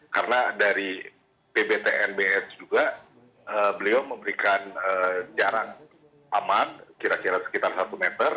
karena dari pbtnbs juga beliau memberikan jarak aman kira kira sekitar satu meter